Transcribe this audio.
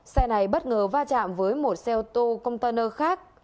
xe này bất ngờ va chạm với một xe ô tô container khác